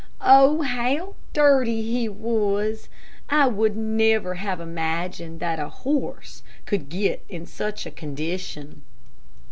Oh, how dirty he was! I would never have imagined that a horse could get in such a condition.